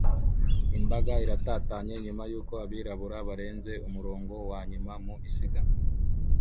Imbaga iratatanye nyuma yuko abiruka barenze umurongo wa nyuma mu isiganwa